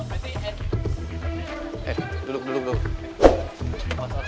abis dikukulin sama si roger be